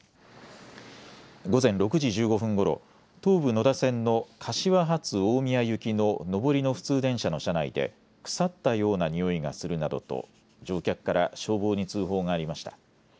午前６時１５分ごろ、東武野田線の柏発大宮行きの上りの普通電車の車内で腐ったようなにおいがするなどと乗客から消防に通報がありました。